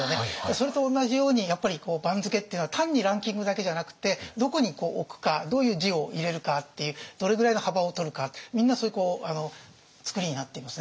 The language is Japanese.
それと同じようにやっぱり番付っていうのは単にランキングだけじゃなくってどこに置くかどういう字を入れるかっていうどれぐらいの幅を取るかみんなそういう作りになっていますね。